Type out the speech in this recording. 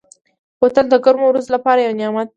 بوتل د ګرمو ورځو لپاره یو نعمت دی.